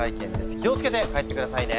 気を付けて帰ってくださいね。